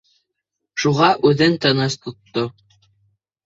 Шуға үҙен тыныс тотто.